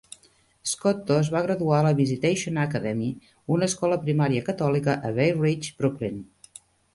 Scotto es va graduar a la Visitation Academy, una escola primària catòlica a Bay Ridge (Brooklyn).